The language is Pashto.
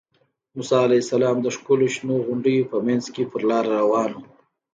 موسی علیه السلام د ښکلو شنو غونډیو په منځ کې پر لاره روان و.